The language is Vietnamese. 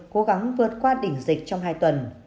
cố gắng vượt qua đỉnh dịch trong hai tuần